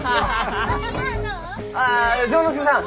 あ丈之助さん！